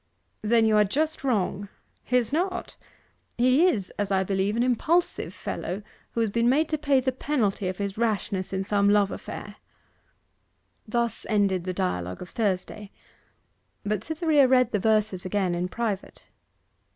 'There you are just wrong. He is not. He is, as I believe, an impulsive fellow who has been made to pay the penalty of his rashness in some love affair.' Thus ended the dialogue of Thursday, but Cytherea read the verses again in private.